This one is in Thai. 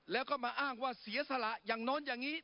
แล้วก็มาอ้างว่าเสียสละอย่างโน้นอย่างนี้